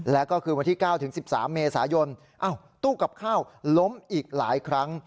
แล้วก็คืนวันที่๙ถึง๑๓เมษายนตู้กับข้าวล้มอีกหลายครั้ง